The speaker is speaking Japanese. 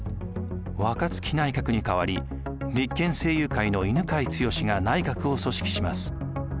若槻内閣に代わり立憲政友会の犬養毅が内閣を組織します。